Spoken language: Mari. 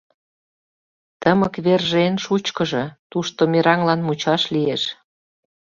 Тымык верже эн шучкыжо: тушто мераҥлан мучаш лиеш...